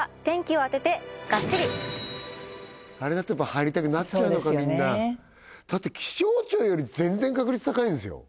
あれだと入りたくなっちゃうのかそうですよねだって気象庁より全然確率高いんですよ